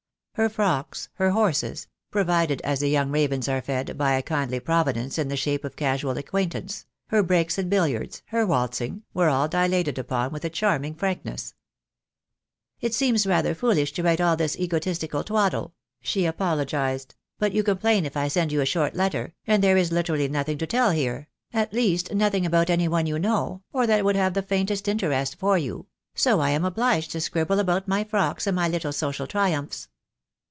Her frocks, her horses — pro vided, as the young ravens are fed, by a kindly Pro vidence in the shape of casual acquaintance — her breaks at billiards, her waltzing, were all dilated upon with a charming frankness. "It seems rather foolish to write all this egotistical twaddle," she apologised, "but you complain if I send THE DAY WILL COME. 7 you a short letter, and there is literally nothing to tell here — at least nothing about any one you know, or that would have the faintest interest for you — so I am obliged to scribble about my frocks and my little social triumphs."